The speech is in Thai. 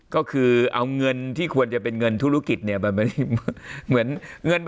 ก็คือเอาเงินที่ควรจะเป็นเงินธุรกิจเนี่ย